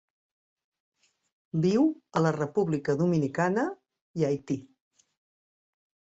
Viu a la República Dominicana i Haití.